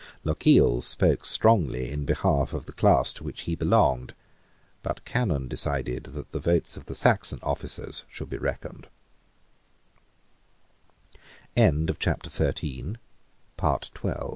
Lochiel spoke strongly in behalf of the class to which he belonged: but Cannon decided that the votes of the Saxon officers should be reckoned, It was next con